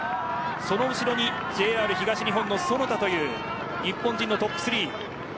その後ろにＪＲ東日本の其田という日本人トップ３。